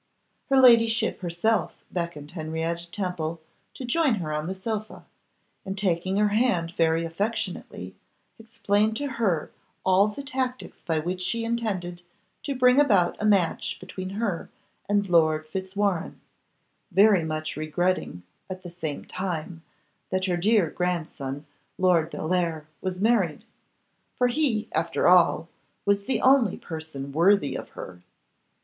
Her ladyship herself beckoned Henrietta Temple to join her on the sofa, and, taking her hand very affectionately, explained to her all the tactics by which she intended to bring about a match between her and Lord Fitzwarrene, very much regretting, at the same time, that her dear grandson, Lord Bellair, was married; for he, after all, was the only person worthy of her.